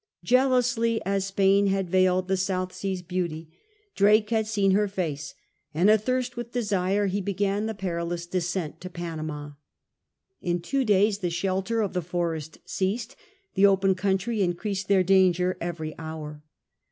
Jealously as Spain had veiled the South Sea's beauty, 38 SIR FRANCIS DRAKE chap. Drake had seen her face, and athirst with desire he began the perilous descent to Panama. In two days the shelter of the forest ceased. The open country increased their danger every hour.